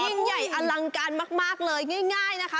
ยิ่งใหญ่อลังการมากเลยง่ายนะคะ